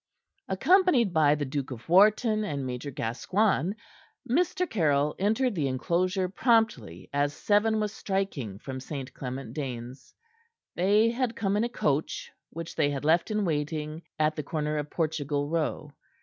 Accompanied by the Duke of Wharton and Major Gascoigne, Mr. Caryll entered the enclosure promptly as seven was striking from St. Clement Danes. They had come in a coach, which they had left in waiting at the corner of Portugal Row.